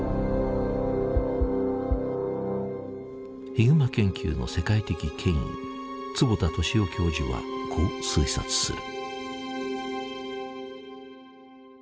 ヒグマ研究の世界的権威坪田敏男教授はこう推察する。